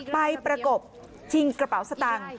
ประกบชิงกระเป๋าสตางค์